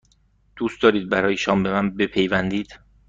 دوست دارید برای شام به من بپیوندید؟